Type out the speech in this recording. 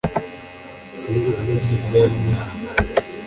Sinigeze ntekereza kuba umwarimu.